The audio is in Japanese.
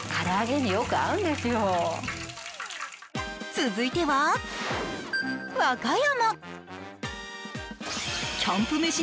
続いては和歌山。